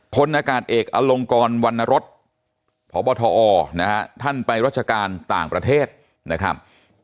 พลอากาศเอกอลงกรวรรณรสพบทอนะฮะท่านไปรัชการต่างประเทศนะครับ